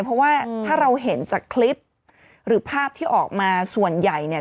เพราะว่าถ้าเราเห็นจากคลิปหรือภาพที่ออกมาส่วนใหญ่เนี่ย